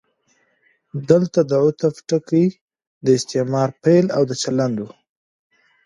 دلته د عطف ټکی د استعمار پیل او د چلند و.